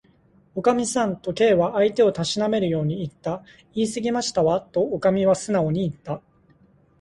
「おかみさん」と、Ｋ は相手をたしなめるようにいった。「いいすぎましたわ」と、おかみはすなおにいった。